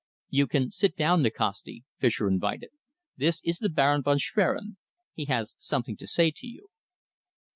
"You can sit down, Nikasti," Fischer invited. "This is the Baron von Schwerin. He has something to say to you."